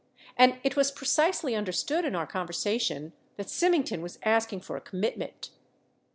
And it was precisely understood in our conversa tion that Symington was asking for a commitment.